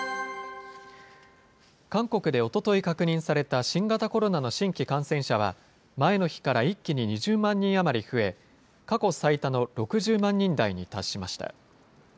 韓国でおととい確認された新型コロナの新規感染者は、前の日から一気に２０万人余り増え、過去最多の６０万人台に達しました。